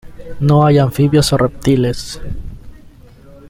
No hay anfibios o reptiles.